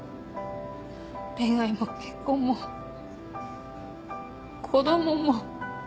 恋愛も結婚も子供も。